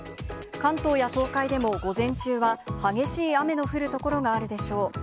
関東や東海でも午前中は激しい雨の降る所があるでしょう。